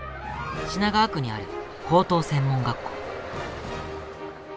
品川区にある高等専門学校。